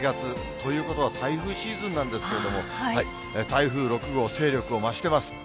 ということは、台風シーズンなんですけれども、台風６号、勢力を増してます。